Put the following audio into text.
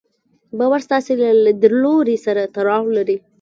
باور ستاسې له ليدلوري سره تړاو لري.